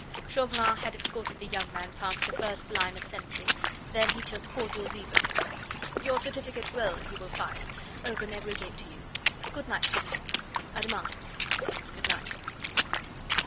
Chauvelin had escorted the young man past the first line of sentry, then he took cordial leave of him. "Your certificate will, you will find, open every gate to you. Good night, citizen. A demain." "Good night."